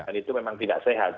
itu memang tidak sehat